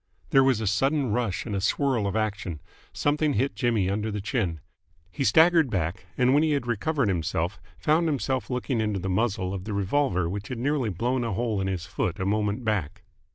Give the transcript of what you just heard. There was a sudden rush and a swirl of action. Something hit Jimmy under the chin. He staggered back, and when he had recovered himself found himself looking into the muzzle of the revolver which had nearly blown a hole in his foot a moment back.